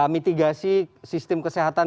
mitigasi sistem kesehatan